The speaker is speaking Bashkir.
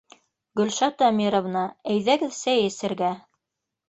— Гөлшат Әмировна, әйҙәгеҙ, сәй эсергә.